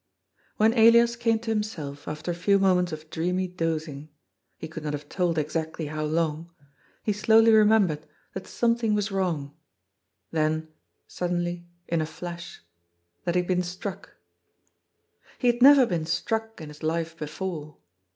When^ Elias came to himself after a few moments of dreamy dozing — he could not have told exactly how long — he slowly remembered that something was wrong — then, suddenly, in a flash, that he had been struck. He had never been struck in his life before.